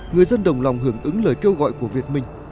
người dân đồng lòng hưởng ứng lời kêu gọi của việt minh